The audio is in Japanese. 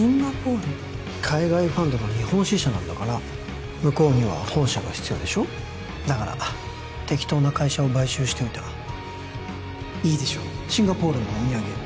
海外ファンドの日本支社なんだから向こうには本社が必要でしょだから適当な会社を買収しておいたいいでしょシンガポールのお土産